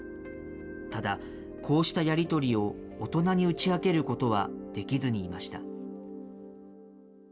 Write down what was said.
ただ、こうしたやり取りを大人に打ち明けることはできずにいました。